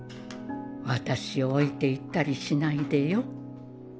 私を置いていったりしないでよ。